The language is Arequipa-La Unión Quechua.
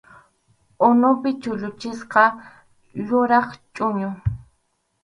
Unupi chulluchisqa yuraq chʼuñu.